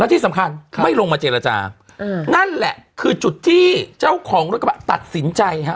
ที่สำคัญไม่ลงมาเจรจาอืมนั่นแหละคือจุดที่เจ้าของรถกระบะตัดสินใจฮะ